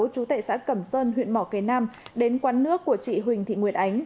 chú tệ xã cầm sơn huyện mỏ cây nam đến quán nước của chị huỳnh thị nguyệt ánh